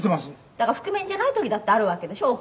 「だから覆面じゃない時だってあるわけでしょ？